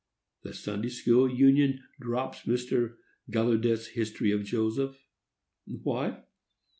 The Sunday School Union drops Mr. Gallaudet's History of Joseph. Why?